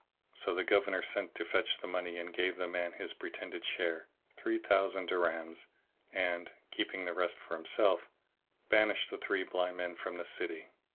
So the Governor sent to fetch the money and gave the man his pretended share, three thousand dirhams; and, keeping the rest for himself, banished the three blind men from the city.